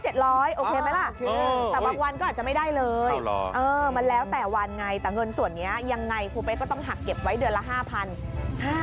แต่บางวันก็อาจจะไม่ได้เลยมันแล้วแต่วันไงแต่เงินส่วนนี้ยังไงครูเป๊กก็ต้องหักเก็บไว้เดือนละ๕๐๐บาท